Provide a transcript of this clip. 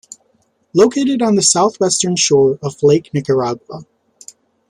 Located on the southwestern shore of Lake Nicaragua.